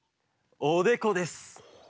おでこです。